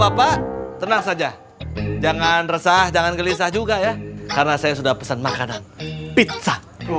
bapak tenang saja jangan resah jangan gelisah juga ya karena saya sudah pesan makanan pizza